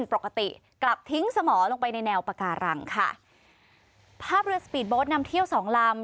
ปกติกลับทิ้งสมอลงไปในแนวปาการังค่ะภาพเรือสปีดโบสต์นำเที่ยวสองลำ